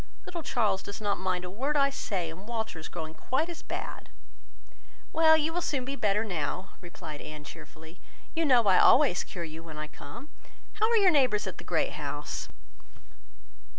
Little Charles does not mind a word I say, and Walter is growing quite as bad." "Well, you will soon be better now," replied Anne, cheerfully. "You know I always cure you when I come. How are your neighbours at the Great House?"